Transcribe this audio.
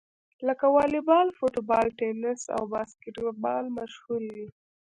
لکه واليبال، فوټبال، ټېنیس او باسکیټبال مشهورې دي.